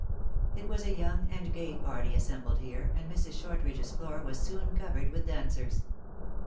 It was a young and gay party assembled here, and Mrs. Shortridge s floor was soon covered with dan cers.